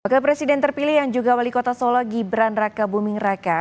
wakil presiden terpilih yang juga wali kota solo gibran raka buming raka